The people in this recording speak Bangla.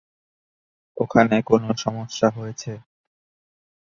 ওখানে কোন সমস্যা হয়েছে?